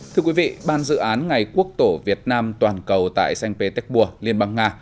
thưa quý vị ban dự án ngày quốc tổ việt nam toàn cầu tại sanh pê téc bùa liên bang nga